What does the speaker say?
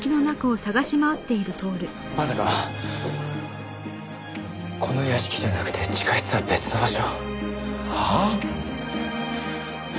まさかこの屋敷じゃなくて地下室は別の場所？はあ？